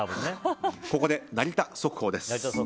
ここで成田速報です。